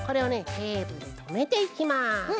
テープでとめていきます。